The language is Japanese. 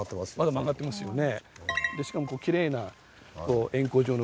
曲がってますよね。